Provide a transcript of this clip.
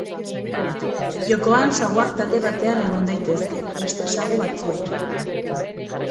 Jokoan saguak talde batean egon daitezke beste sagu batzuekin.